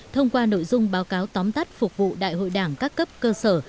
thông qua nội dung báo cáo tóm tắt phục vụ đại hội đảng các cấp cơ sở